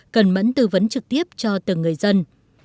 cần mẫn tư vấn trực tiếp cho từng người dân